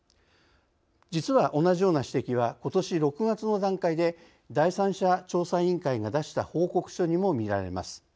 実は同じような指摘はことし６月の段階で第３者調査委員会が出した報告書にも見られます。